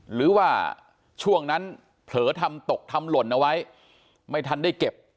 หรือว่าช่วงนั้นเผลอทำตกทำหล่นเอาไว้ไม่ทันได้เก็บ